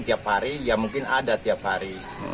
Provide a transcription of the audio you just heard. tiap hari ya mungkin ada tiap hari